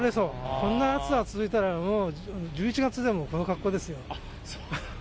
こんな暑さが続いたらもう１１月でも、この格好ですよ。